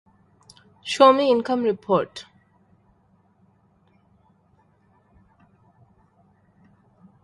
The "Victory" was destroyed in the battle, but the "Excalibur" survived.